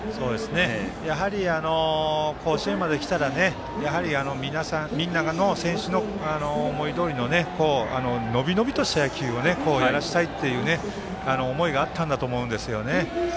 やはり甲子園まで来たら思いどおりの伸び伸びとした野球をやらせたいという思いがあったんだと思うんですよね。